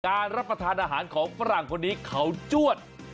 รับประทานอาหารของฝรั่งคนนี้เขาจวด